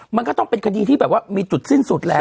มันก็เป็นคดีที่จะมีจุดสิ้นสุดแล้ว